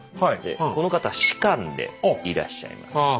この方士官でいらっしゃいます。